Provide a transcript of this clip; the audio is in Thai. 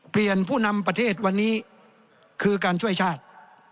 ผู้นำประเทศวันนี้คือการช่วยชาติ